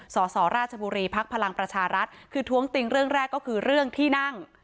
สสราชบุรีภักดิ์พลังประชารัฐคือท้วงติงเรื่องแรกก็คือเรื่องที่นั่ง